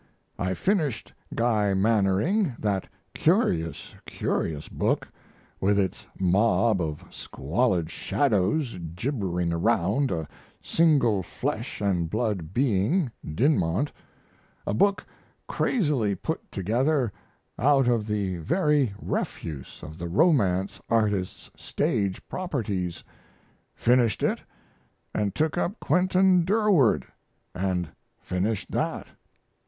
I finished Guy Mannering that curious, curious book, with its mob of squalid shadows gibbering around a single flesh & blood being Dinmont; a book crazily put together out of the very refuse of the romance artist's stage properties finished it & took up Quentin Durward & finished that.